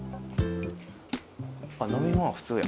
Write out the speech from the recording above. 飲み物は普通や。